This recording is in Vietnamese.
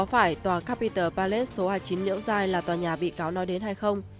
có phải tòa capital palace số hai mươi chín liễu giai là tòa nhà bị cáo nói đến hay không